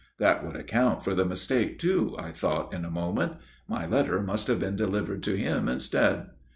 That would account for the mistake too, I thought in a moment. My letter must have been delivered to him instead.